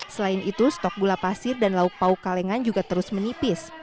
selain itu stok gula pasir dan lauk pauk kalengan juga terus menipis